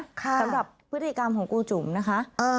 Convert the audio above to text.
สำหรับพฤติกรรมของครูจุ๋มนะคะ